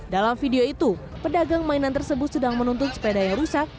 dalam video itu pedagang mainan tersebut sedang menuntut sepeda yang rusak